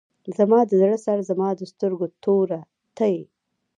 زما د زړه سره زما د سترګو توره ته یې.